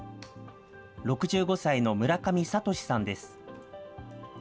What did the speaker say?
６５歳の村上俊さんです。